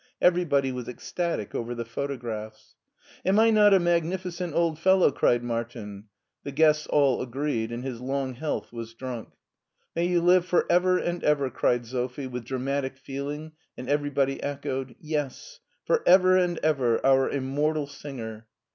Everybody was ecstatic over the photographs. " Am I not a magnificent old fellow ?" cried Martin. The guests all agreed, and his Icmg health was drunk. " May you live for ever and ever," cried Sophie with dramatic feeling, and everybody echoed, "Yes, for ever and ever, our immortal singer."